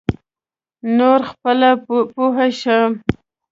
نور خپله پوی شه.